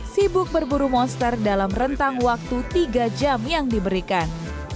sibuk berburu monster dalam rentang waktu tiga jam yang diberikan